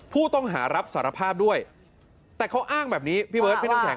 ผู้ต้องหารับสารภาพด้วยแต่เขาอ้างแบบนี้พี่เบิร์ดพี่น้ำแข